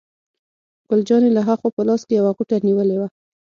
ګل جانې له ها خوا په لاس کې یوه غوټه نیولې وه.